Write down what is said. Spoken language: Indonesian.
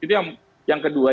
itu yang kedua